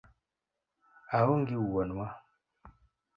Aonge wuonwa